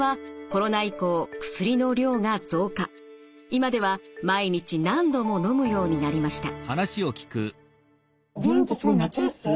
今では毎日何度ものむようになりました。